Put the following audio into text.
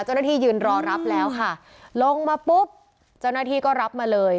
เจ้าหน้าที่ยืนรอรับแล้วค่ะลงมาปุ๊บเจ้าหน้าที่ก็รับมาเลย